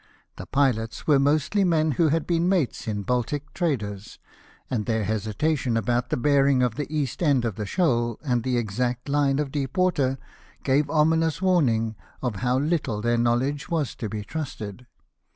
The pilots were mostly men who had been mates in Baltic traders ; and their hesitation about the bearing of the east end of the shoal, and the exact line of deep water, gave ominous warning of how little their knowledge was to be trusted.